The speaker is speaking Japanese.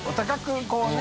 こうね